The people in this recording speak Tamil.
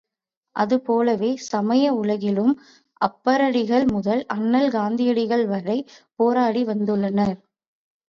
அது போலவே சமய உலகிலும் அப்பரடிகள் முதல் அண்ணல் காந்தியடிகள் வரை போராடி வந்துள்ளனர்.